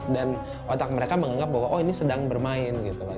dan otak mereka menganggap bahwa oh ini sedang bermain gitu loh